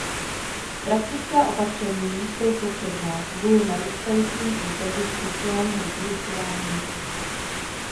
Praktická opatření jsou potřebná kvůli narůstajícím důkazům sexuálního vykořisťování dětí.